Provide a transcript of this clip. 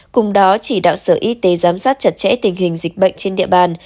cùng đó chỉ đạo sở y tế giám sát chặt chẽ tình hình dịch bệnh trên địa bàn